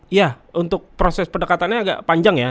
iya untuk proses pendekatannya agak panjang ya